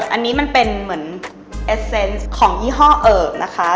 อันนี้มันเป็นเหมือนเอสเซนต์ของยี่ห้อเอิกนะคะ